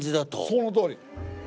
そのとおり。